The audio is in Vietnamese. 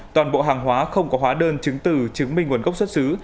toàn bộ hàng hóa không có hóa đơn chứng từ chứng minh nguồn gốc xuất xứ